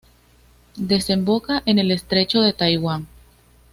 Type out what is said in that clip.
Desemboca en el estrecho de Taiwán.